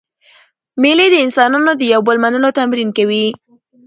مېلې د انسانانو د یو بل منلو تمرین کوي.